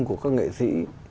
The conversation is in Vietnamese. của các nghệ sĩ